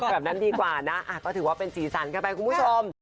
แบบนั้นดีกว่านะก็ถือว่าเป็นสีสันกันไปคุณผู้ชม